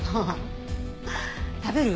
食べる？